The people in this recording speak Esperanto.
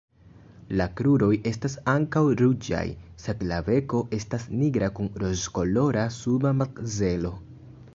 La kruroj estas ankaŭ ruĝaj sed la beko estas nigra kun rozkolora suba makzelo.